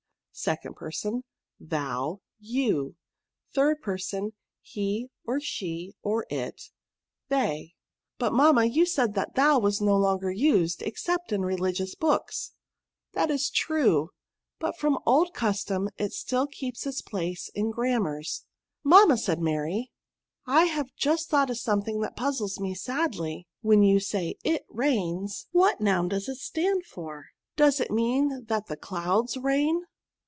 Second Person, Thou, You. Third Person, He, or She, or It, They. PRONOUNS. 166 €t But) mamma^ you said that thou was no longer used, except in religious books ?"'* That is true ; but from old custom it still keeps its place in grammars." Mamma/' said Mary, " I have just thought of something that puzzles me sadly. When you sayi^ rains, what noun does it stand for ? Does it mean that the clouds rain?"